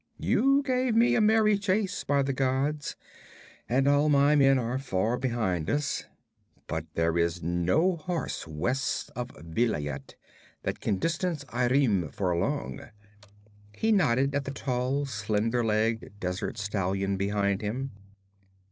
You gave me a merry chase, by the gods, and all my men are far behind us. But there is no horse west of Vilayet that can distance Irem for long.' He nodded at the tall, slender legged desert stallion behind him.